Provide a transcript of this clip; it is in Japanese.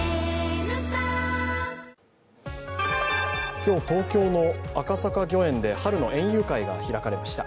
今日、東京の赤坂御苑で春の園遊会が開かれました。